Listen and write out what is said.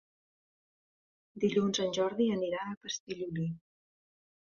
Dilluns en Jordi anirà a Castellolí.